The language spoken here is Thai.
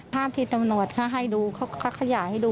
ภาพที่ตำรวจเขาให้ดูเขาขยายให้ดู